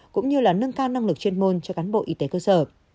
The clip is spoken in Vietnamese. cũng như là nâng cao năng lực chuyên môn cho cán bộ y tế cơ sở